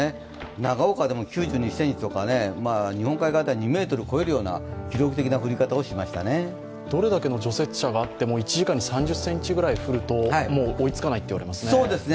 長岡でも９２ｃｍとか、日本海側では２ｍを超えるようなどれだけの除雪車があっても１時間に３０ｃｍくらい降ると追いつかないといわれていますよね。